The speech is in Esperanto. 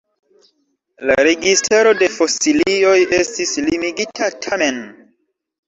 La registro de fosilioj estis limigita, tamen.